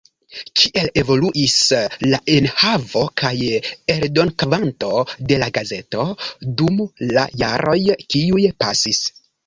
Kiel evoluis la enhavo kaj eldonkvanto de la gazeto dum la jaroj kiuj pasis?